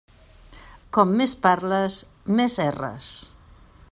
Com més parles, més erres.